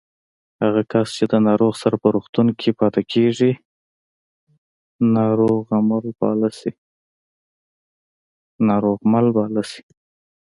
هغه کس چې د ناروغ سره په روغتون کې پاتې کېږي ناروغمل باله شي